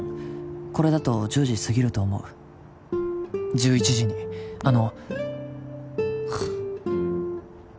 「これだと１０時過ぎると思う」「１１時にあの」